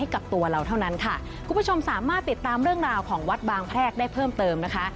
คุณผู้ชมสามารถติดตามเรื่องราวของวัดบางแพรกได้เพิ่มเติมนะคะ